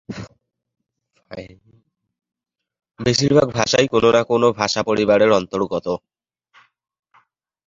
বেশীর ভাগ ভাষাই কোনও না কোনও ভাষা পরিবারের অন্তর্গত।